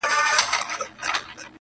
د ژورو اوبو غېږ کي یې غوټې سوې،